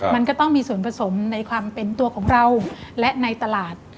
มันก็ต้องมีส่วนผสมในความเป็นตัวของเราและในตลาด